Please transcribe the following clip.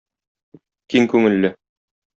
Киң күңелле